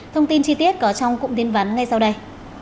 thông tin chi tiết có trong cụm tin vắn ngay sau đây